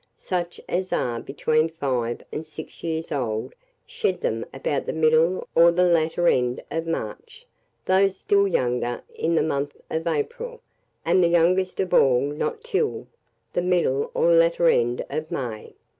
Such as are between five and six years old shed them about the middle or latter end of March; those still younger in the month of April; and the youngest of all not till the middle or latter end of May.